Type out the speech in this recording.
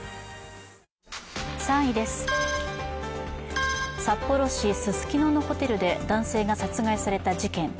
３位です、札幌市ススキノのホテルで男性が殺害された事件。